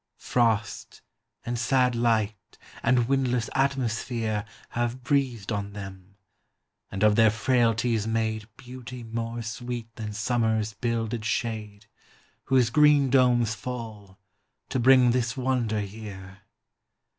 Frost, and sad light, and windless atmosphere Have breathed on them, and of their frailties made Beauty more sweet than summer's builded shade, Whose green domes fall, to bring this wonder here.